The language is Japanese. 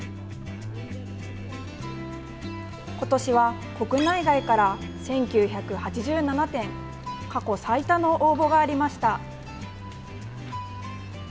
ことしは国内外から１９８７点過去最多の応募がありました。